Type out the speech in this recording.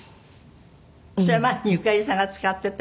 それ前にゆかりさんが使ってたやつ？